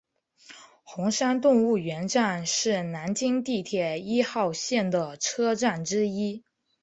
红山动物园站是南京地铁一号线的车站之一。